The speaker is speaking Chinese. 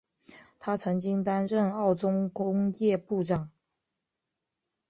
他曾经担任澳洲工业部长。